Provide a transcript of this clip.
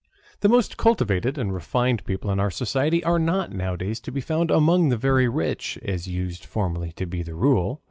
The most cultivated and refined people of our society are not nowadays to be found among the very rich, as used formerly to be the rule.